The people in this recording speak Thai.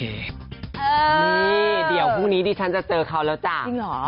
นี่เดี๋ยวพรุ่งนี้ดิฉันจะเจอเขาแล้วจ้ะจริงเหรอ